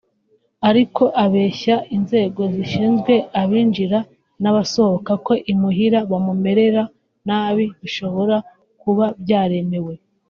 Ariko abeshya inzego zishinzwe abinjira n’abasohoka ko imuhira bamumerera nabi bishobora kuba byaremewe